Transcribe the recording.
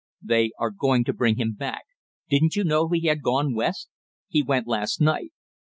"They are going to bring him back; didn't you know he had gone West? He went last night."